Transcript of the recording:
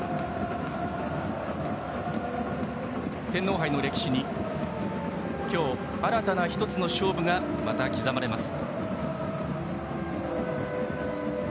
天皇杯の歴史に今日新たな１つの勝負がまた刻まれます。